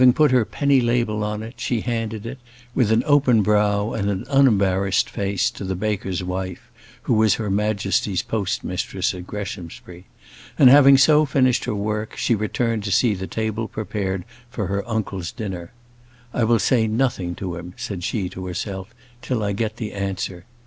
Having put her penny label on it, she handed it, with an open brow and an unembarrassed face, to the baker's wife, who was Her Majesty's postmistress at Greshamsbury; and, having so finished her work, she returned to see the table prepared for her uncle's dinner. "I will say nothing to him," said she to herself, "till I get the answer.